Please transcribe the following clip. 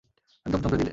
একদম চমকে দিলে!